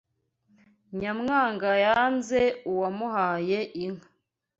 Nyamwanga yanze n'uwamuhaye inka